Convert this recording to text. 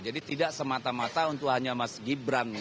jadi tidak semata mata untuk hanya mas gibran gitu ya